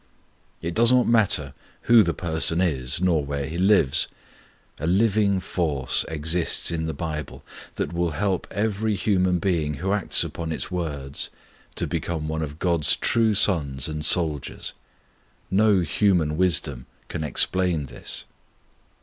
It does not matter who the person is, nor where he lives; a living force exists in the Bible that will help every human being who acts upon its words to become one of God's true sons and soldiers. No human wisdom can explain this.